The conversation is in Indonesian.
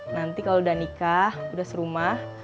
nanti kalau udah nikah udah serumah